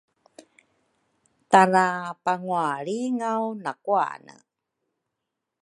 Tara pangwalringaw nakwane